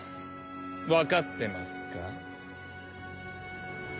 分かってますか？